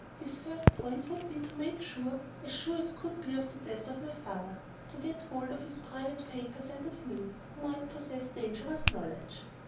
His first point would be to make sure as sure could be of the death of my father, to get hold of his private papers, and of me, who might possess dangerous knowledge.